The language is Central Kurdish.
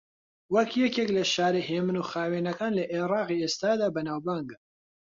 وەک یەکێک لە شارە ھێمن و خاوێنەکان لە عێراقی ئێستادا بەناوبانگە